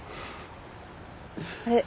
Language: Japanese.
あれ？